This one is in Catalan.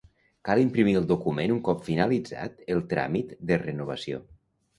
Cal imprimir el document un cop finalitzat el tràmit de renovació.